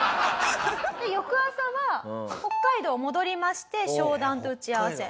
翌朝は北海道戻りまして商談と打ち合わせ。